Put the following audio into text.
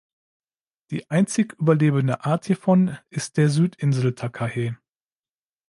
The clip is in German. Die einzig überlebende Art hiervon ist der Südinseltakahe.